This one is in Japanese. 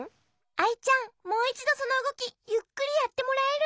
アイちゃんもういちどそのうごきゆっくりやってもらえる？